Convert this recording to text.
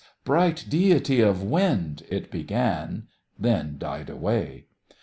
bright deity of wind," it began, then died away.